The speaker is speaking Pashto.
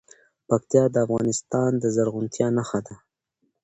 پکتیا د افغانستان د زرغونتیا نښه ده.